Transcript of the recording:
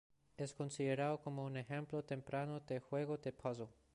Es considerado como un ejemplo temprano de juego de puzle.